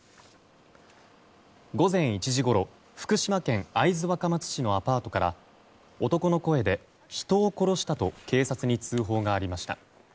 午前１時ごろ福島県会津若松市のアパートから男の声で、人を殺したと警察に通報がありました。